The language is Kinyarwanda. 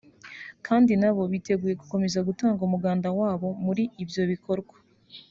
kandi na bo biteguye gukomeza gutanga umuganda wabo muri ibyo bikorwa